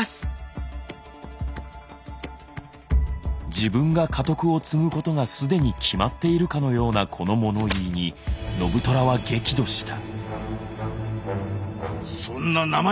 自分が家督を継ぐことが既に決まっているかのようなこの物言いに信虎は激怒した。